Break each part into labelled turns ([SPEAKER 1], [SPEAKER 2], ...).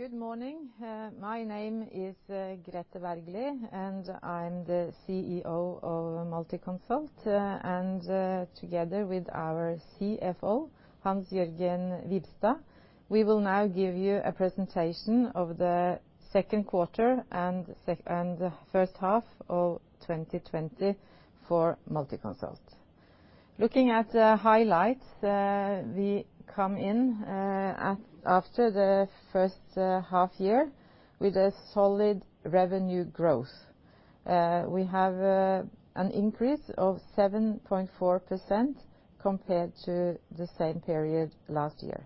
[SPEAKER 1] Good morning. My name is Grethe Bergly, and I'm the CEO of Multiconsult, and together with our CFO, Hans-Jørgen Wibstad, we will now give you a presentation of the second quarter and first half of 2020 for Multiconsult. Looking at the highlights, we come in after the first half-year with solid revenue growth. We have an increase of 7.4% compared to the same period last year.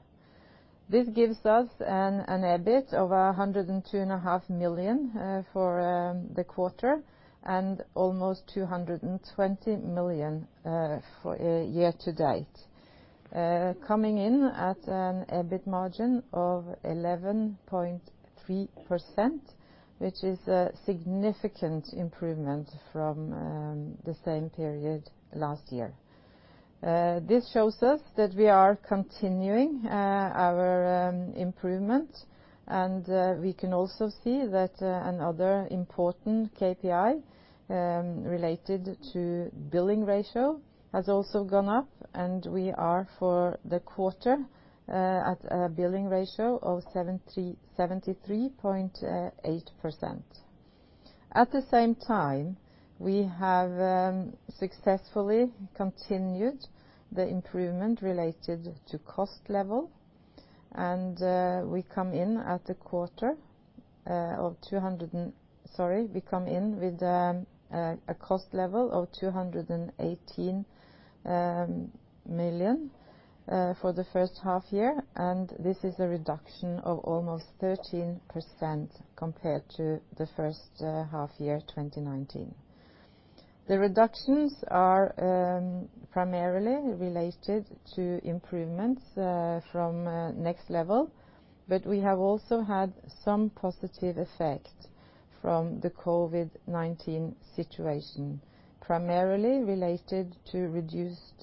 [SPEAKER 1] This gives us an EBIT of 102.5 million for the quarter and almost 220 million year-to-date. Coming in at an EBIT margin of 11.3%, which is a significant improvement from the same period last year. This shows us that we are continuing our improvement, and we can also see that another important KPI related to billing ratio has also gone up, and we are, for the quarter, at a billing ratio of 73.8%. At the same time, we have successfully continued the improvement related to cost level. We come in with a cost level of 218 million for the first half-year, and this is a reduction of almost 13% compared to the first half-year of 2019. The reductions are primarily related to improvements from nextLEVEL, but we have also had some positive effects from the COVID-19 situation, primarily related to reduced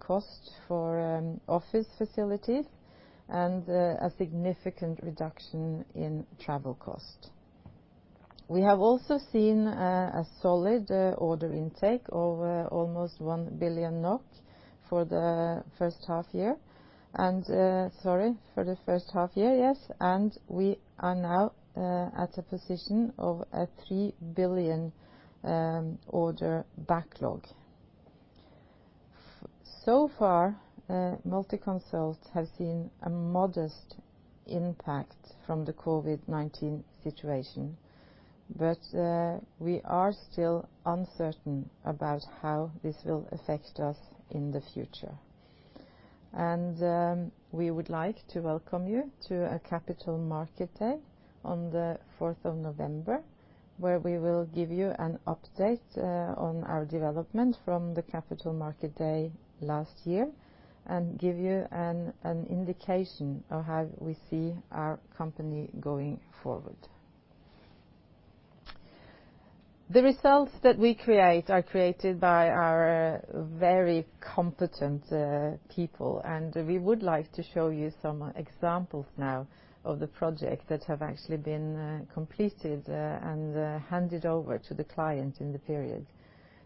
[SPEAKER 1] costs for office facilities and a significant reduction in travel costs. We have also seen a solid order intake of almost 1 billion NOK for the first half-year, and we are now in a position of a 3 billion order backlog. So far, Multiconsult has seen a modest impact from the COVID-19 situation, but we are still uncertain about how this will affect us in the future. We would like to welcome you to a Capital Market Day on 4th November, where we will give you an update on our development from the Capital Market Day last year and give you an indication of how we see our company going forward. The results that we create are created by our very competent people, and we would like to show you some examples now of the projects that have actually been completed and handed over to the client in the period.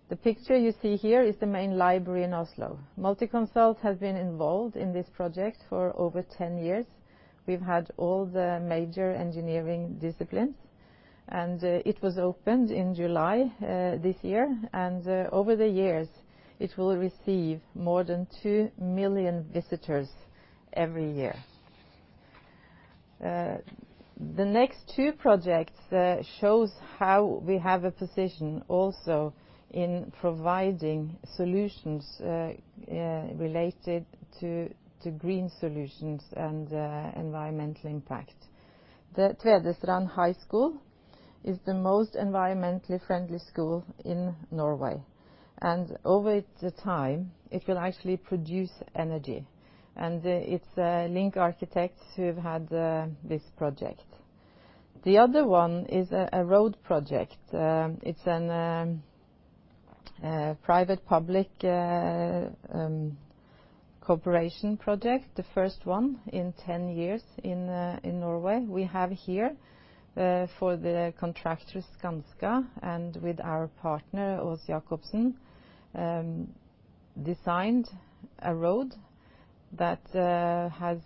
[SPEAKER 1] The picture you see here is the main library in Oslo. Multiconsult has been involved in this project for over 10 years. We've had all the major engineering disciplines. It was opened in July this year. Over the years, it will receive more than two million visitors every year. The next two projects show how we have a position also in providing solutions related to green solutions and environmental impact. The Tvedestrand High School is the most environmentally friendly school in Norway. Over time, it will actually produce energy. It's LINK Arkitektur that's had this project. The other one is a road project. It's a private-public cooperation project, the first one in 10 years in Norway. We have here, for the contractor Skanska and with our partner Aas-Jakobsen, designed a road that has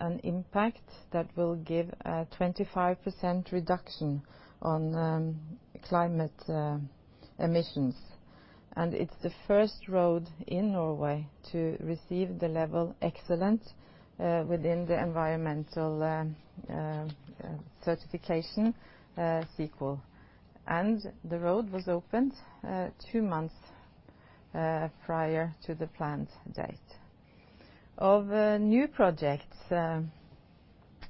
[SPEAKER 1] an impact that will give a 25% reduction on climate emissions. It's the first road in Norway to receive the level Excellent within the environmental certification, CEEQUAL. The road was opened two months prior to the planned date. Of new projects,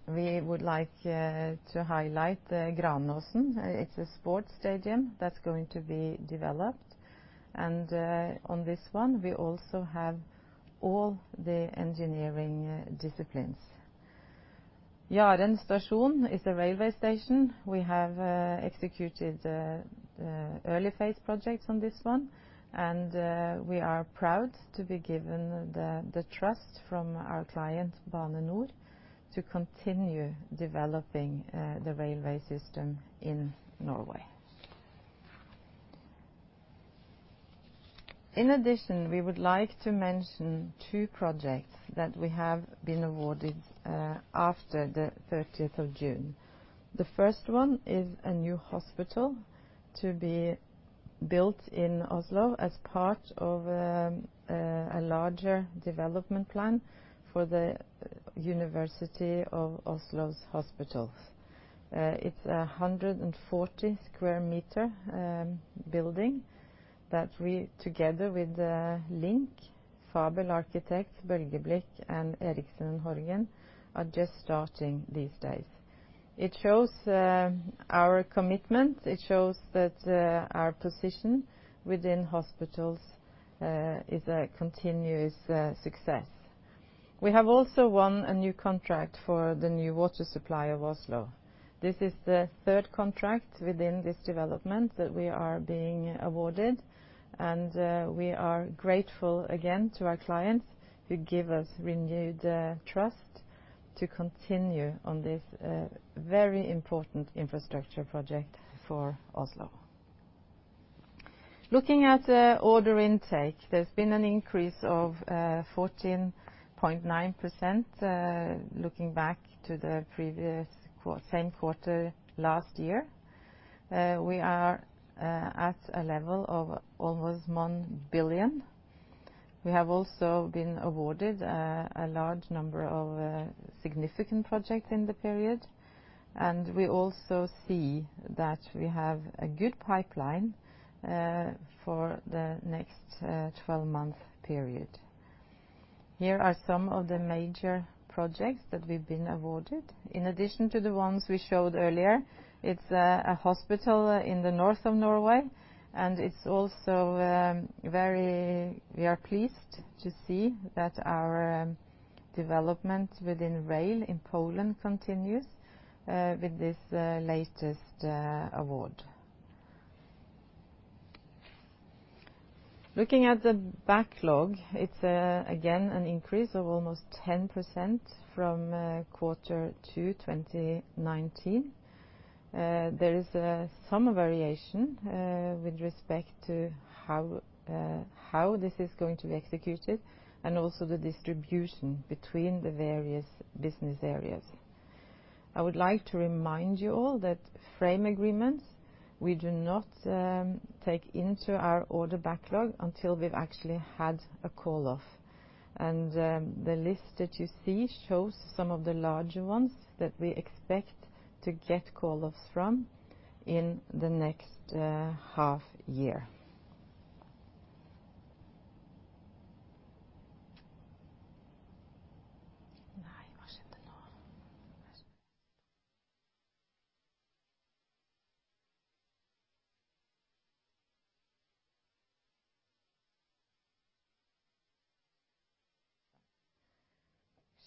[SPEAKER 1] we would like to highlight Granåsen. It's a sports stadium that's going to be developed. On this one, we also have all the engineering disciplines. Jaren Station is a railway station. We have executed the early-phase projects on this one, and we are proud to be given the trust from our client, Bane NOR, to continue developing the railway system in Norway. In addition, we would like to mention two projects that we have been awarded after 30th June. The first one is a new hospital to be built in Oslo as part of a larger development plan for the University of Oslo's hospitals. It's a 140sq m building that we, together with LINK, Fabel Arkitekt, Bølgeblikk, and Erichsen & Horgen, are just starting these days. It shows our commitment. It shows that our position within hospitals is a continuous success. We have also won a new contract for the new water supply of Oslo. This is the third contract within this development that we are being awarded, and we are grateful again to our clients who give us renewed trust to continue on this very important infrastructure project for Oslo. Looking at the order intake, there's been an increase of 14.9% looking back to the previous same quarter last year. We are at a level of almost 1 billion. We have also been awarded a large number of significant projects in the period, and we also see that we have a good pipeline for the next 12-month period. Here are some of the major projects that we've been awarded. In addition to the ones we showed earlier, it's a hospital in the north of Norway, and we are pleased to see that our development within rail in Poland continues with this latest award. Looking at the backlog, it's again an increase of almost 10% from the quarter in 2019. There is some variation with respect to how this is going to be executed and also the distribution between the various business areas. I would like to remind you all that for frame agreements, we do not take them into our order backlog until we've actually had a call-off. The list that you see shows some of the larger ones that we expect to get call-offs from in the next half year.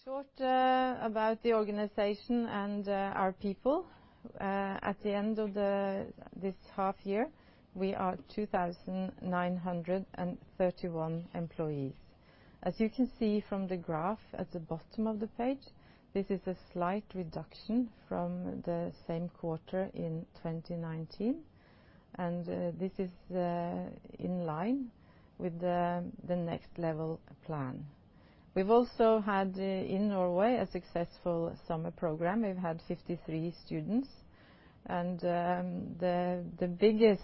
[SPEAKER 1] Short about the organization and our people. At the end of this half-year, we are 2,931 employees. As you can see from the graph at the bottom of the page, this is a slight reduction from the same quarter in 2019. This is in line with the nextLEVEL plan. We've also had in Norway a successful summer program. We've had 53 students, and the biggest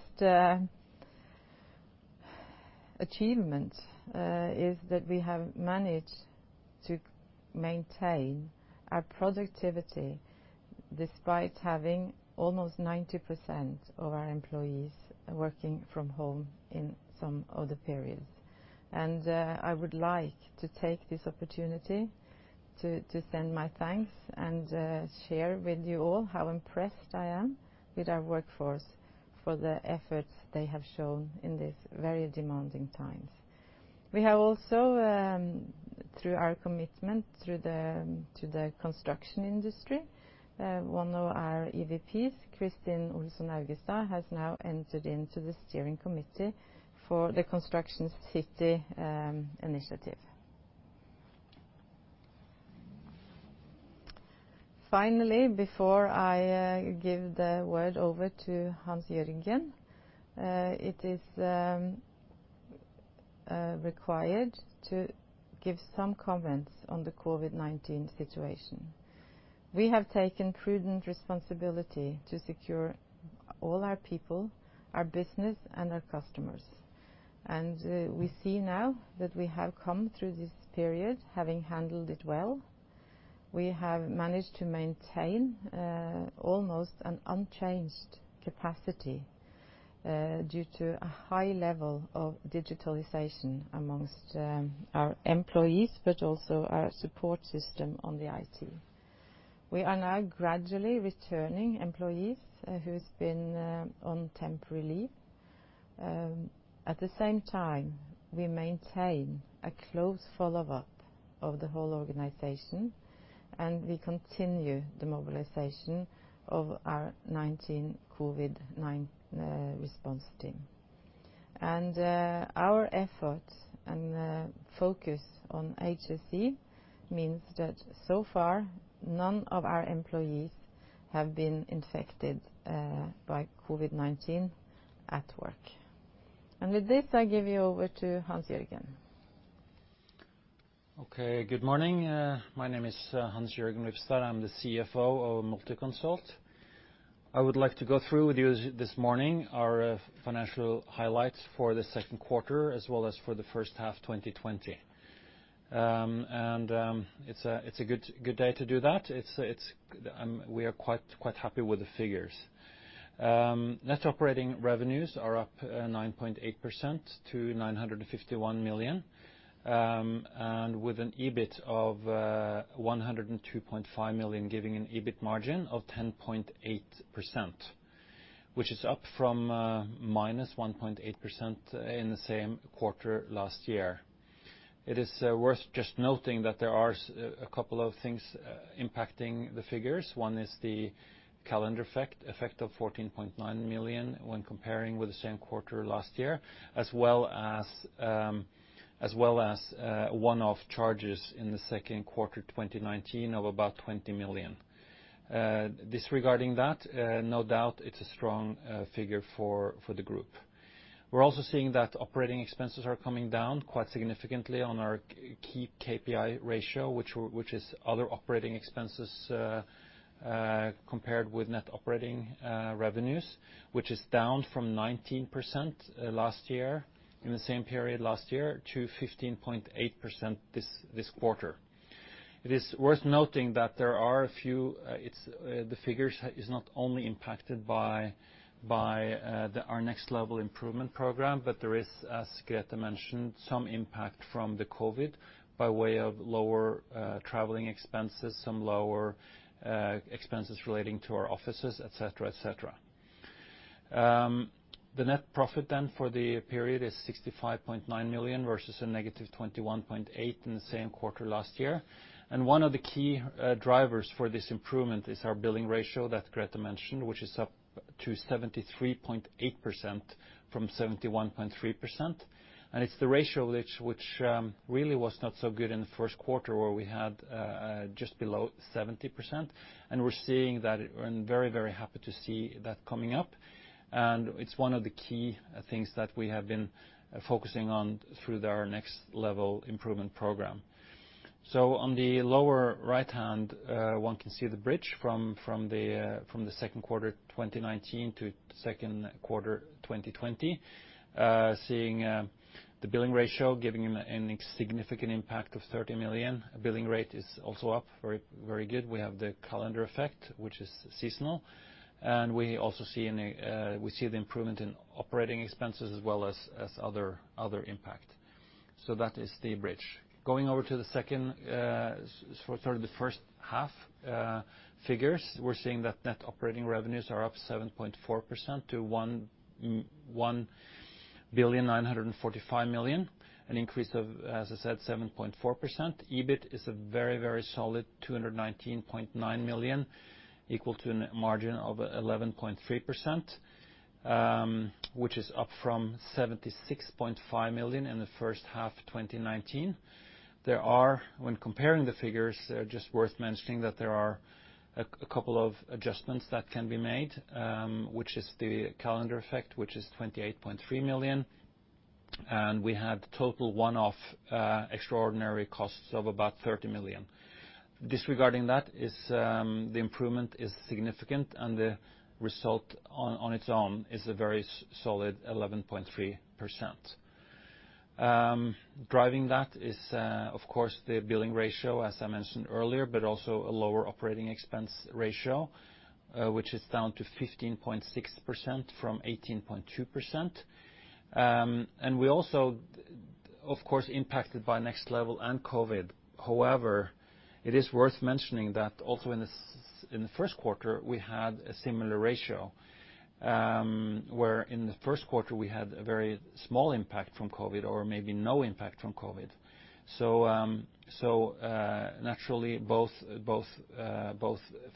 [SPEAKER 1] achievement is that we have managed to maintain our productivity despite having almost 90% of our employees working from home in some of the periods. I would like to take this opportunity to send my thanks and share with you all how impressed I am with our workforce for the efforts they have shown in these very demanding times. We have also, through our commitment to the construction industry, one of our EVP, Kristin Olsson Augestad, has now entered into the steering committee for the Construction City initiative. Finally, before I give the word over to Hans-Jørgen, it is required to give some comments on the COVID-19 situation. We have taken prudent responsibility to secure all our people, our business, and our customers. We see now that we have come through this period having handled it well. We have managed to maintain almost an unchanged capacity due to a high level of digitalization amongst our employees, but also our support system in IT. We are now gradually returning employees who've been on temporary leave. At the same time, we maintain a close follow-up of the whole organization, and we continue the mobilization of our COVID-19 response team. Our effort and focus on HSE means that so far, none of our employees have been infected by COVID-19 at work. With this, I give you over to Hans-Jørgen.
[SPEAKER 2] Okay. Good morning. My name is Hans-Jørgen Wibstad. I'm the CFO of Multiconsult. I would like to go through with you this morning our financial highlights for the second quarter as well as for the first half of 2020. It's a good day to do that. We are quite happy with the figures. Net operating revenues are up 9.8% to 951 million, with an EBIT of 102.5 million, giving an EBIT margin of 10.8%, which is up from -1.8% in the same quarter last year. It is worth just noting that there are a couple of things impacting the figures. One is the calendar effect of 14.9 million when comparing with the same quarter last year, as well as one-off charges in the second quarter of 2019 of about 20 million. Disregarding that, no doubt, it's a strong figure for the group. We're also seeing that operating expenses are coming down quite significantly on our key KPI ratio, which is other operating expenses, compared with net operating revenues, which are down from 19% last year, in the same period last year, to 15.8% this quarter. It is worth noting that the figure is not only impacted by our nextLEVEL improvement program, but there is, as Grethe mentioned, some impact from COVID by way of lower traveling expenses, some lower expenses relating to our offices, etc. The net profit for the period is 65.9 million, versus a negative 21.8 million in the same quarter last year. One of the key drivers for this improvement is our billing ratio that Grethe mentioned, which is up to 73.8% from 71.3%. It's the ratio, which really was not so good in the first quarter, where we had just below 70%, and we're very happy to see that coming up. It's one of the key things that we have been focusing on through our nextLEVEL improvement program. On the lower right-hand side, one can see the bridge from the second quarter of 2019 to the second quarter of 2020. Seeing the billing ratio gives a significant impact of 30 million. Billing rate is also up very good. We have the calendar effect, which is seasonal. We also see the improvement in operating expenses as well as other impacts. That is the bridge. Going over to the first half figures, we're seeing that net operating revenues are up 7.4% to 1.945 billion, an increase of, as I said, 7.4%. EBIT is a very solid 219.9 million, equal to a net margin of 11.3%, which is up from 76.5 million in the first half 2019. When comparing the figures, it is just worth mentioning that there are a couple of adjustments that can be made, which is the calendar effect, which is 28.3 million. We have total one-off extraordinary costs of about 30 million. Disregarding that, the improvement is significant, and the result on its own is a very solid 11.3%. Driving that is, of course, the billing ratio, as I mentioned earlier, but also a lower operating expense ratio, which is down to 15.6% from 18.2%. We were also, of course, impacted by nextLEVEL and COVID. It is worth mentioning that also in the first quarter, we had a similar ratio, wherein in the first quarter, we had a very small impact from COVID, or maybe no impact from COVID. Naturally, both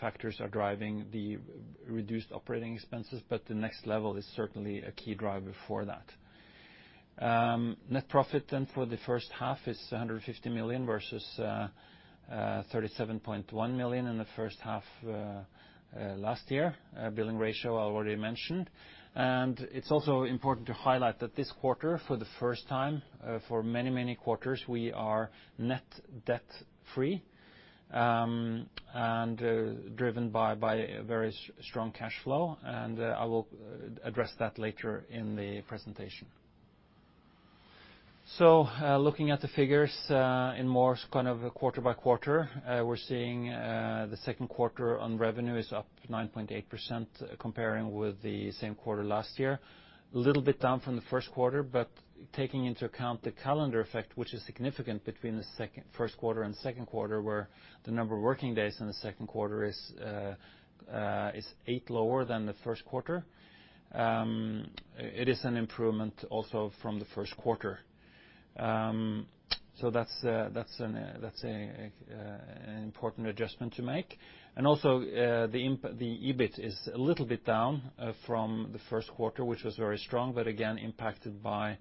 [SPEAKER 2] factors are driving the reduced operating expenses, but the nextLEVEL is certainly a key driver for that. Net profit, then, for the first half is 150 million versus 37.1 million in the first half last year. Billing ratio I already mentioned. It's also important to highlight that this quarter, for the first time in many quarters, we are net debt-free and driven by a very strong cash flow. I will address that later in the presentation. Looking at the figures in more of a quarter-by-quarter view, we're seeing the second quarter on revenue is up 9.8% compared with the same quarter last year. A little bit down from the first quarter, but taking into account the calendar effect, which is significant between the first quarter and the second quarter, where the number of working days in the second quarter is eight lower than in the first quarter. It is an improvement also from the first quarter. That's an important adjustment to make. Also, the EBIT is a little bit down from the first quarter, which was very strong but again impacted by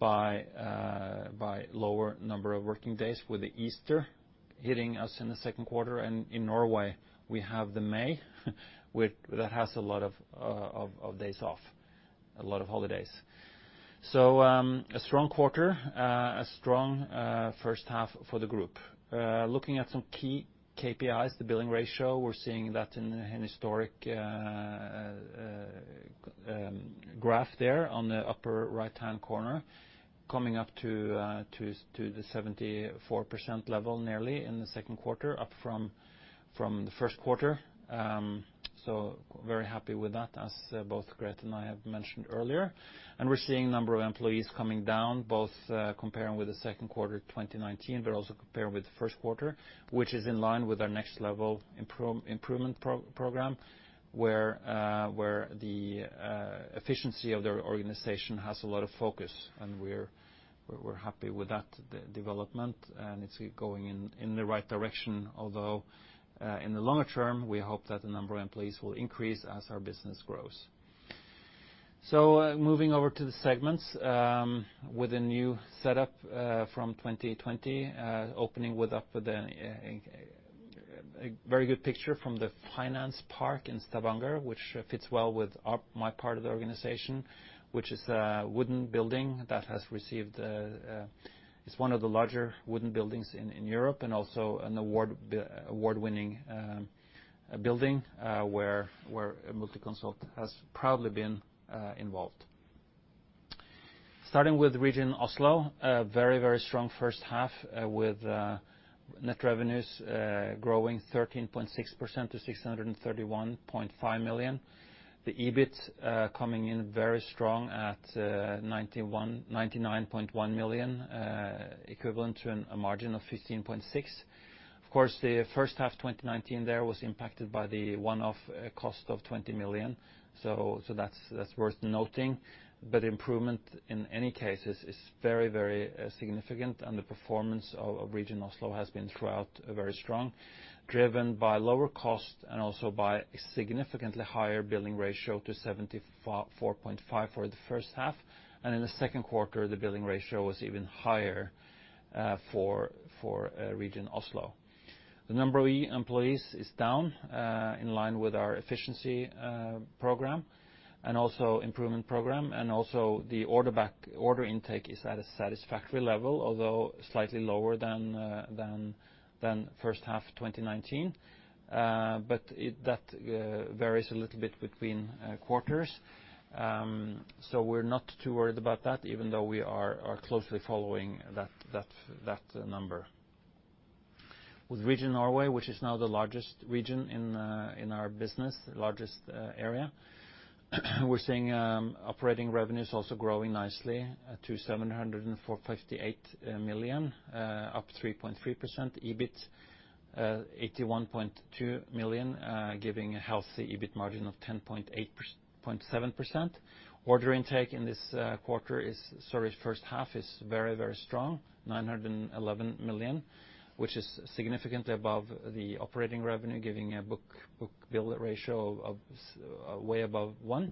[SPEAKER 2] the lower number of working days with Easter hitting us in the second quarter, and in Norway, we have May, which has a lot of days off and a lot of holidays. A strong quarter, a strong first half for the group. Looking at some key KPIs, the billing ratio, we're seeing that in a historic graph there in the upper right-hand corner, coming up to the 74% level nearly in the second quarter, up from the first quarter. Very happy with that, as both Grethe and I have mentioned earlier. We're seeing number of employees coming down, both comparing with the second quarter 2019, but also comparing with first quarter, which is in line with our nextLEVEL improvement program, where the efficiency of the organization has a lot of focus, and we're happy with that development, and it's going in the right direction. In the longer term, we hope that the number of employees will increase as our business grows. Moving over to the segments, with a new setup from 2020, opening with a very good picture from the Finansparken in Stavanger, which fits well with my part of the organization, which is a wooden building that has been received. It’s one of the larger wooden buildings in Europe and also an award-winning building where Multiconsult has proudly been involved. Starting with Region Oslo, a very strong first half with net revenues growing 13.6% to 631.5 million. The EBIT is coming in very strong at 99.1 million, equivalent to a margin of 15.6%. Of course, the first half of 2019 was impacted by the one-off cost of 20 million. Improvement, in any case, is very significant, and the performance of Region Oslo has been throughout very strong, driven by lower cost and also by a significantly higher billing ratio to 74.5% for the first half. In the second quarter, the billing ratio was even higher for Region Oslo. The number of employees is down in line with our efficiency program and also improvement program, and also the order intake is at a satisfactory level, although slightly lower than in the first half of 2019. That varies a little bit between quarters. We're not too worried about that, even though we are closely following that number. With Region Norway, which is now the largest region in our business and the largest area, we're seeing operating revenues also growing nicely to 758 million, up 3.3%. EBIT, 81.2 million, giving a healthy EBIT margin of 10.7%. Order intake in this first half is very strong, 911 million, which is significantly above the operating revenue, giving a book-to-bill ratio of way above one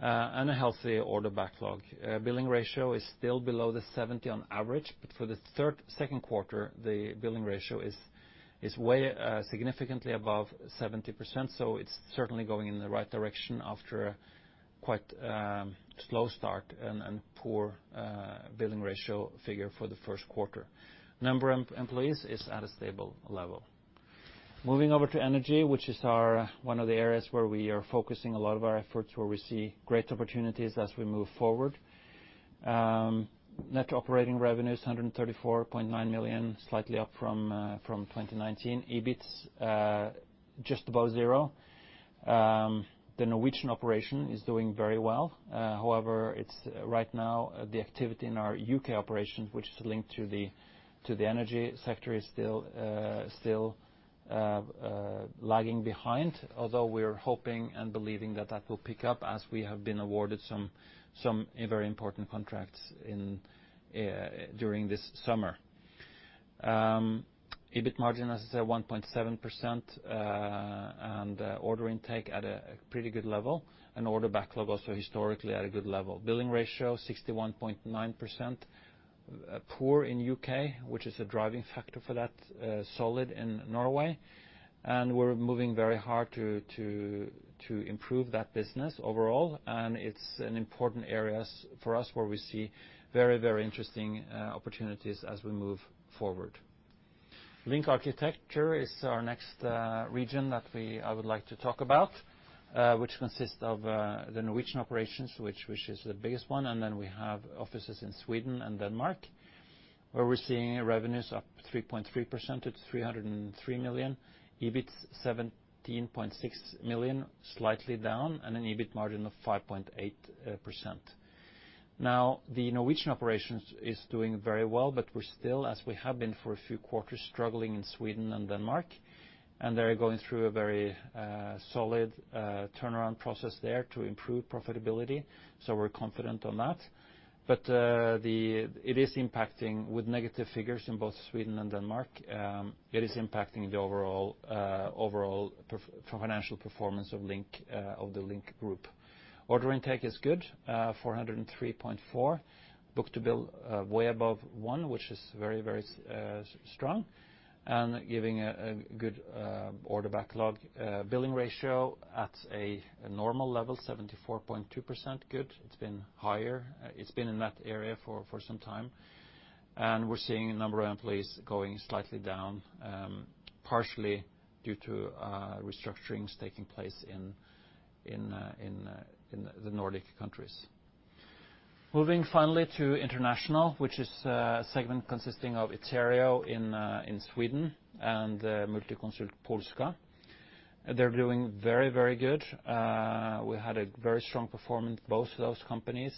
[SPEAKER 2] and a healthy order backlog. Billing ratio is still below 70% on average, but for the second quarter, the billing ratio is significantly above 70%. It's certainly going in the right direction after a quite slow start and poor billing ratio for the first quarter. Number of employees is at a stable level. Moving over to energy, which is one of the areas where we are focusing a lot of our efforts and where we see great opportunities as we move forward. Net operating revenues, 134.9 million, slightly up from 2019. EBIT's just above zero. The Norwegian operation is doing very well. However, it's right now the activity in our U.K. operations, which is linked to the energy sector, is still lagging. Although we're hoping and believing that that will pick up as we have been awarded some very important contracts during this summer. EBIT margin, as I said, is 1.7%, order intake is at a pretty good level. Order backlog is also historically at a good level. Billing ratio, 61.9%, is poor in the U.K., which is a driving factor for that, and solid in Norway. We're moving very hard to improve that business overall. It's an important area for us where we see very interesting opportunities as we move forward. LINK Arkitektur is our next region that I would like to talk about, which consists of the Norwegian operations, which is the biggest one, and then we have offices in Sweden and Denmark, where we're seeing revenues up 3.3% to 303 million. EBIT, 17.6 million, is slightly down, with an EBIT margin of 5.8%. Now, the Norwegian operations are doing very well, but we're still, as we have been for a few quarters, struggling in Sweden and Denmark, and they're going through a very solid turnaround process there to improve profitability. We're confident about that. It is impacting with negative figures in both Sweden and Denmark. It is impacting the overall financial performance of the LINK Group. Order intake is good: 403.4. Book-to-bill is way above one, which is very strong and is giving a good order backlog. Billing ratio at a normal level, 74.2% good. It's been higher. It's been in that area for some time. We're seeing the number of employees going slightly down, partially due to restructurings taking place in the Nordic countries. Moving finally to international, which is a segment consisting of Iterio in Sweden and Multiconsult Polska. They're doing very well. We had a very strong performance, both of those companies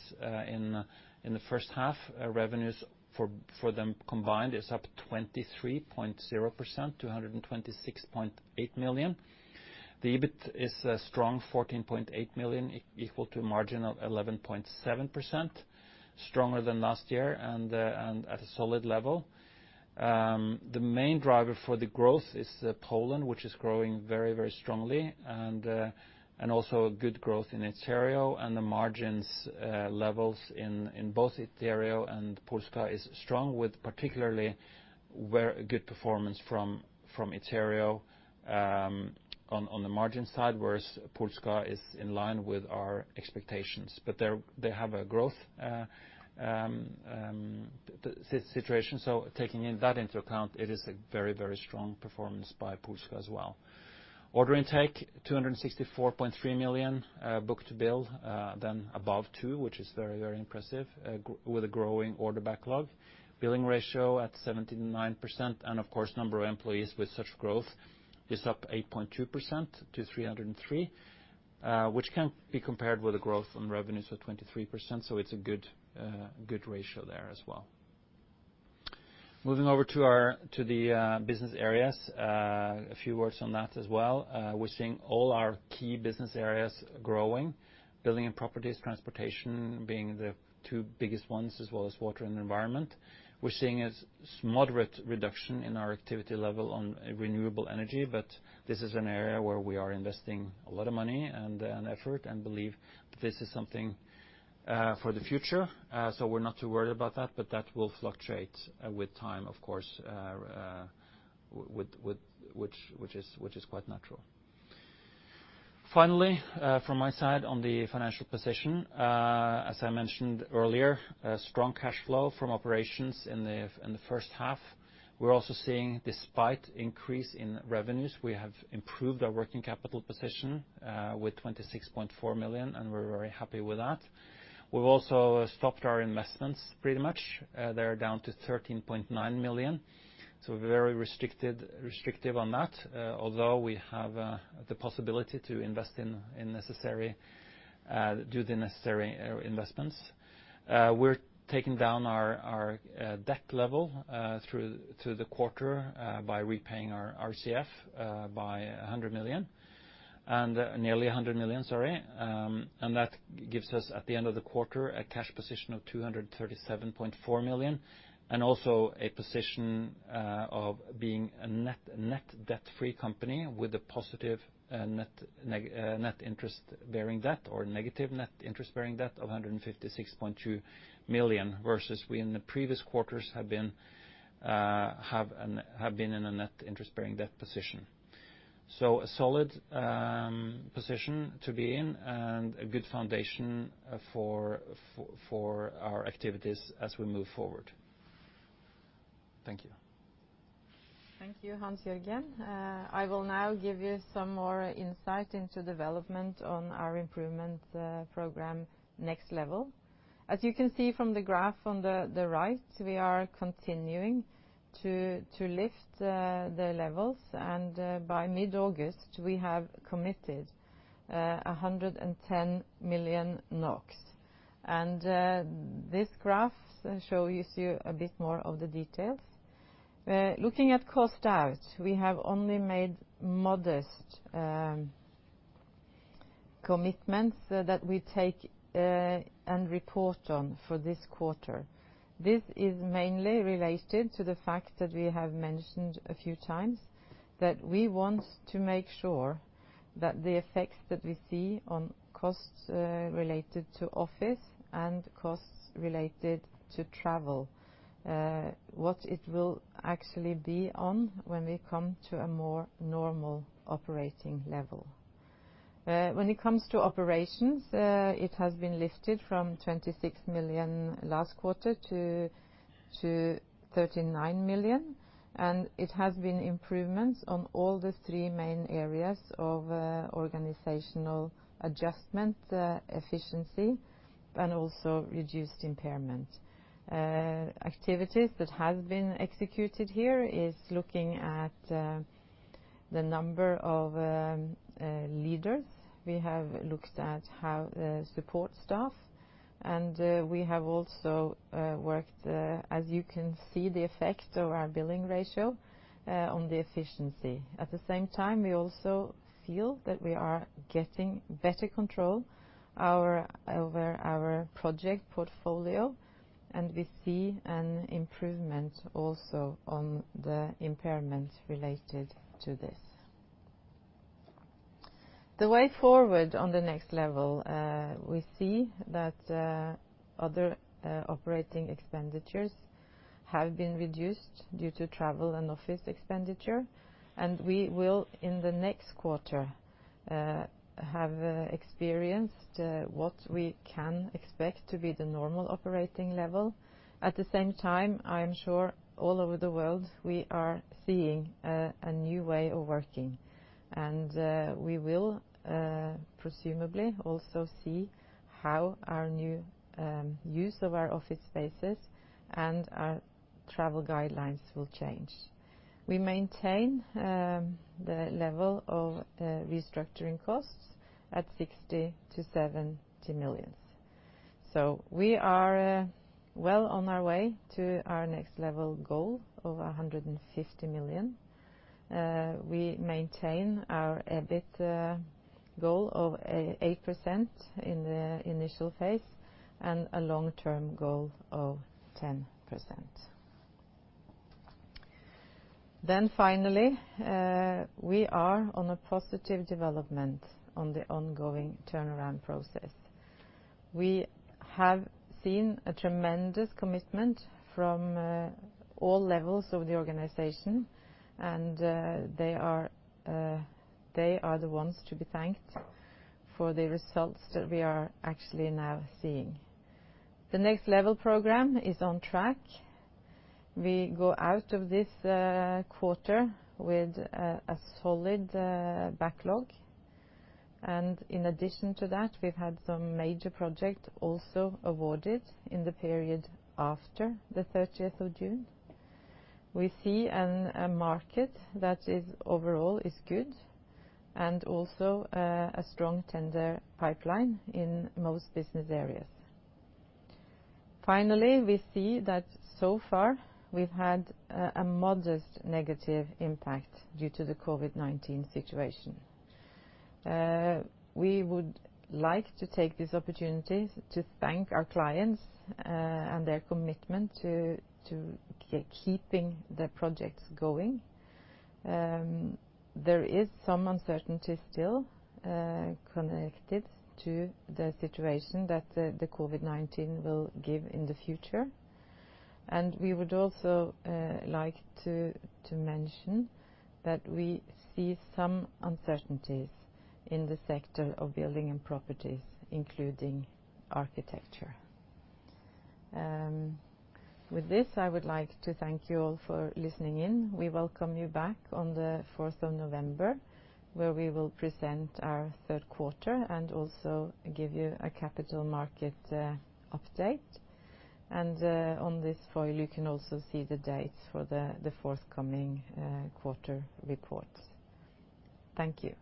[SPEAKER 2] in the first half. Revenues for them combined is up 23.0%, 226.8 million. The EBIT is a strong 14.8 million, equal to a margin of 11.7%, stronger than last year and at a solid level. The main driver for the growth is Poland, which is growing very strongly and also a good growth in Iterio and the margins levels in both Iterio and Polska is strong with particularly good performance from Iterio on the margin side, whereas Polska is in line with our expectations. They have a growth situation, so taking that into account, it is a very strong performance by Polska as well. Order intake 264.3 million, book-to-bill then above two, which is very impressive with a growing order backlog. Billing ratio is at 79%, and of course, the number of employees with such growth is up 8.2%-303%, which can be compared with a growth in revenues of 23%. It's a good ratio there as well. Moving over to the business areas, a few words on that as well. We're seeing all our key business areas growing, building, and properties, transportation being the two biggest ones, as well as water and environment. We're seeing a moderate reduction in our activity level on renewable energy, but this is an area where we are investing a lot of money and effort and believe this is something for the future. We're not too worried about that, but that will fluctuate with time, of course, which is quite natural. Finally, from my side on the financial position, as I mentioned earlier, there was strong cash flow from operations in the first half. We're also seeing that despite an increase in revenues, we have improved our working capital position with 26.4 million, and we're very happy with that. We've also stopped our investments pretty much. They're down to 13.9 million, so very restrictive on that. Although we have the possibility to do the necessary investments. We're taking down our debt level through the quarter by repaying our RCF by nearly 100 million. That gives us at the end of the quarter a cash position of 237.4 million and also a position of being a net debt-free company with a positive net interest-bearing debt or negative net interest-bearing debt of 156.2 million, whereas in the previous quarters we have been in a net interest-bearing debt position. A solid position to be in and a good foundation for our activities as we move forward. Thank you.
[SPEAKER 1] Thank you, Hans-Jørgen. I will now give you some more insight into development on our improvement program, nextLEVEL. As you can see from the graph on the right, we are continuing to lift the levels, and by mid-August, we have committed 110 million NOK. This graph shows you a bit more of the details. Looking at cost out, we have only made modest commitments that we take and report on for this quarter. This is mainly related to the fact that we have mentioned a few times that we want to make sure that the effects that we see on costs related to the office and costs related to travel are what they will actually be when we come to a more normal operating level. When it comes to operations, it has been lifted from 26 million last quarter to 39 million. There have been improvements in all three main areas of organizational adjustment, efficiency, and also reduced impairment. An activity that has been executed here is looking at the number of leaders. We have looked at how support staff works, and we have also worked, as you can see, the effect of our billing ratio on the efficiency. At the same time, we also feel that we are getting better control over our project portfolio, and we see an improvement also in the impairment related to this. The way forward on the nextLEVEL, we see that other operating expenditures have been reduced due to travel and office expenditures. We will, in the next quarter, have experienced what we can expect to be the normal operating level. At the same time, I am sure all over the world, we are seeing a new way of working. We will presumably also see how our new use of our office spaces and our travel guidelines will change. We maintain the level of restructuring costs at 60 million-70 million. We are well on our way to our nextLEVEL goal of 150 million. We maintain our EBIT goal of 8% in the initial phase and a long-term goal of 10%. Finally, we are on a positive development in the ongoing turnaround process. We have seen a tremendous commitment from all levels of the organization, and they are the ones to be thanked for the results that we are actually now seeing. The nextLEVEL program is on track. We go out of this quarter with a solid backlog. In addition to that, we've had some major projects also awarded in the period after the 30th of June. We see a market that overall is good and also a strong tender pipeline in most business areas. Finally, we see that so far we've had a modest negative impact due to the COVID-19 situation. We would like to take this opportunity to thank our clients for their commitment to keeping the projects going. There is some uncertainty still connected to the situation that COVID-19 will give in the future. We would also like to mention that we see some uncertainties in the sector of building and properties, including architecture. With this, I would like to thank you all for listening in. We welcome you back on the 4th of November, where we will present our third quarter and also give you a capital market update. On this foil, you can also see the date for the forthcoming quarter reports. Thank you.